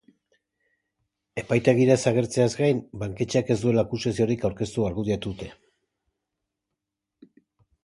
Epaitegira ez agertzeaz gain, banketxeak ez duela akusaziorik aurkeztu argudiatu dute.